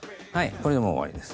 これでもう終わりです。